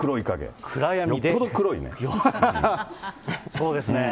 そうですね。